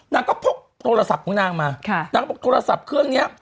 นางก็พกโทรศัพท์ของนางมานางก็บอกโทรศัพท์เครื่องนี้